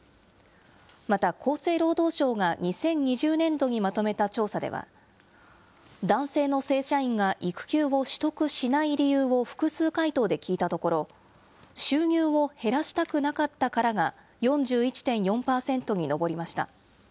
また、厚生労働省が２０２０年度にまとめた調査では、男性の正社員が育休を取得しない理由を複数回答で聞いたところ、収入を減らしたくなかったからが４１．４％に上りました。